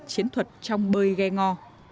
chiến thuật trong bơi ghe ngò